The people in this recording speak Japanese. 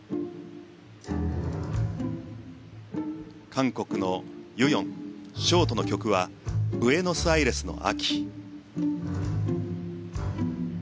韓国のユ・ヨンショートの曲は「ブエノスアイレスの秋」。